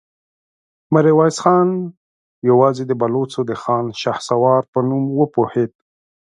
ميرويس خان يواځې د بلوڅو د خان شهسوار په نوم وپوهېد.